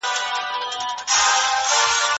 خلک د بدلون هڅه کوي.